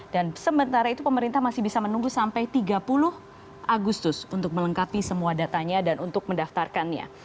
dan sementara itu pemerintah masih bisa menunggu sampai tiga puluh agustus untuk melengkapi semua datanya dan untuk mendaftarkannya